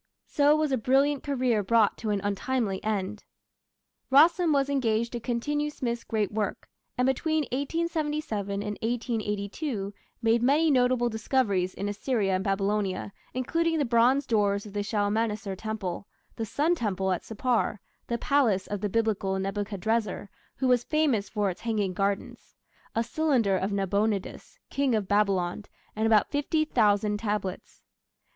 So was a brilliant career brought to an untimely end. Rassam was engaged to continue Smith's great work, and between 1877 and 1882 made many notable discoveries in Assyria and Babylonia, including the bronze doors of a Shalmaneser temple, the sun temple at Sippar; the palace of the Biblical Nebuchadrezzar, which was famous for its "hanging gardens"; a cylinder of Nabonidus, King of Babylon; and about fifty thousand tablets.